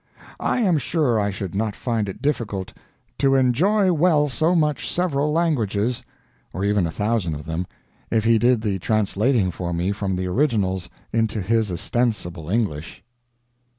I am sure I should not find it difficult "to enjoy well so much several languages" or even a thousand of them if he did the translating for me from the originals into his ostensible English.